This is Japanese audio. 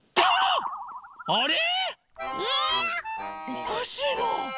おかしいな。